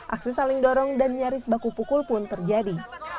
aksi saling dorong dan nyaris baku pukul pun terjadi